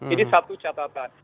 ini satu catatan